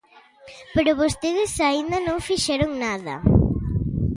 Pero vostedes aínda non fixeron nada.